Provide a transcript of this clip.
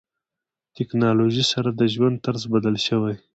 ټکنالوژي سره د ژوند طرز بدل شوی.